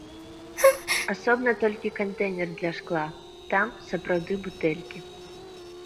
Асобна толькі кантэйнер для шкла, там сапраўды бутэлькі.